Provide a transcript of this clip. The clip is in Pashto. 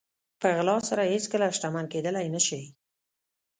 په غلا سره هېڅکله شتمن کېدلی نه شئ.